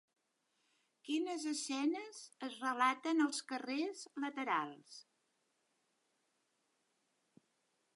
Quines escenes es relaten als carrers laterals?